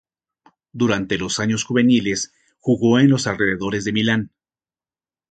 Durante los años juveniles jugó en los alrededores de Milán.